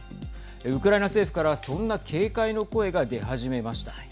ウクライナ政府からそんな警戒の声が出始めました。